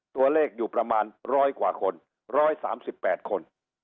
ตัวเลขอยู่ประมาณร้อยกว่าคนร้อยสามสิบแปดคน